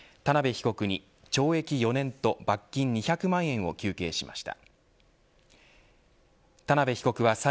被告に懲役４年と罰金２００万円を求刑しました。